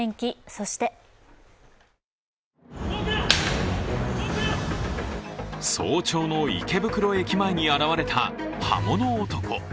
そして早朝の池袋駅前に現れた、刃物男。